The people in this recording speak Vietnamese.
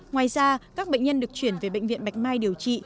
ngoài ra các bệnh nhân được chuyển về bệnh viện bạch mai điều trị